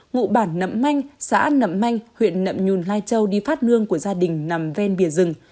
ngụ bản nậm manh xã nậm manh huyện nậm nhùn lai châu đi phát nương của gia đình nằm ven bìa rừng